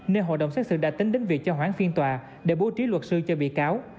nên hội đồng xét xử đã tính đến việc cho hoãn phiên tòa để bố trí luật sư cho bị cáo